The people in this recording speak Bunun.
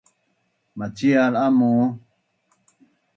Macial amu?